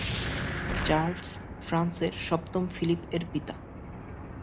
Charles ফ্রান্সের সপ্তম ফিলিপ-এর পিতা।